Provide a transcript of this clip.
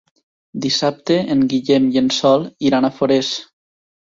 Dissabte en Guillem i en Sol iran a Forès.